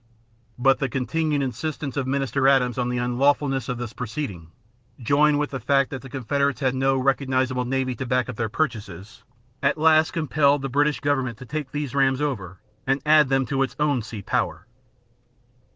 But the continued insistence of Minister Adams on the unlawfulness of this proceeding, joined with the fact that the Confederates had no recognizable navy to back up their purchases, at last compelled the British government to take these rams over and add them to its own sea power.